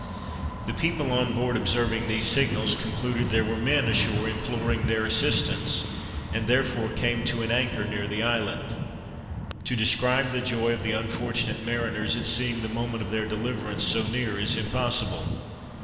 The people on board observing these signals, concluded there were men ashore imploring their assistance, and therefore came to an anchor near the island. To describe the joy of the unfortunate mariners at seeing the moment of their deliverance so near, is impossible.